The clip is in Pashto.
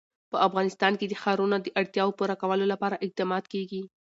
په افغانستان کې د ښارونه د اړتیاوو پوره کولو لپاره اقدامات کېږي.